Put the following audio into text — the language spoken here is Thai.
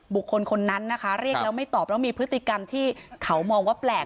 บุคคลคนนั้นนะคะเรียกแล้วไม่ตอบแล้วมีพฤติกรรมที่เขามองว่าแปลก